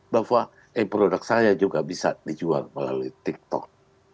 bahwa eh produk saya juga bisa dijual melalui tik tok